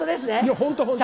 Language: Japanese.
本当。